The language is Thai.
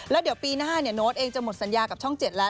แล้วเดี๋ยวปีหน้าโน้ตเองจะหมดสัญญากับช่อง๗แล้ว